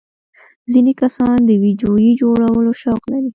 ځینې کسان د ویډیو جوړولو شوق لري.